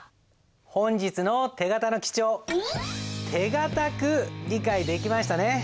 本日の手形の記帳手堅く理解できましたね？